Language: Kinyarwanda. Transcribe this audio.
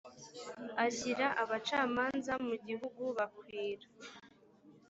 ashyira abacamanza mu gihugu bakwira